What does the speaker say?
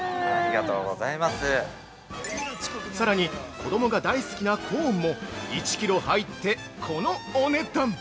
◆さらに子供が大好きなコーンも１キロ入ってこのお値段。